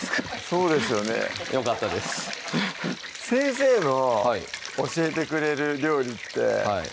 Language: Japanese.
そうですよねよかったです先生の教えてくれる料理ってはい